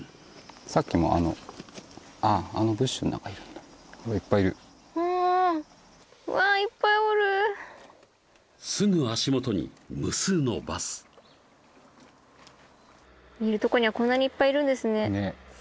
さっきもあのああのブッシュの中にいるんだうわいっぱいいるあうわいっぱいおるすぐ足元に無数のバス見えるとこにはこんなにいっぱいいるんですねね